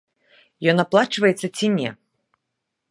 Ён аплачваецца ці не?